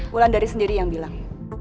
mulan dari sendiri yang bilang